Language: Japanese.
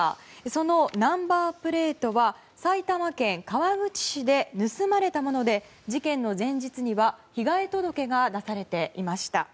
そのナンバープレートは埼玉県川口市で盗まれたもので事件の前日には被害届が出されていました。